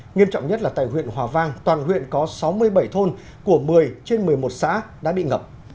nghiêm trọng nhất là tại huyện hòa vang toàn huyện có sáu mươi bảy thôn của một mươi trên một mươi một xã đã bị ngập